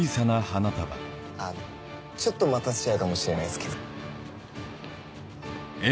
あちょっと待たせちゃうかもしれないすけど。